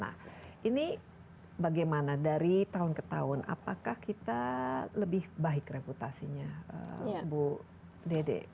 nah ini bagaimana dari tahun ke tahun apakah kita lebih baik reputasinya bu dede